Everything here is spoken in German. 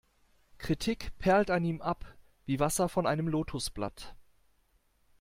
Kritik perlt an ihm ab wie Wasser von einem Lotosblatt.